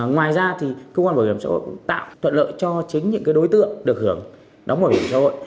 ngoài ra thì cơ quan bảo hiểm xã hội tạo thuận lợi cho chính những đối tượng được hưởng đóng bảo hiểm xã hội